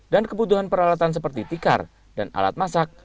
kebutuhan peralatan seperti tikar dan alat masak